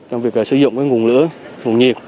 trong việc sử dụng nguồn lửa nguồn nhiệt